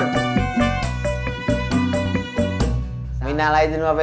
minalah di rumah faizin maafin gue kalo ada salah salah kata ya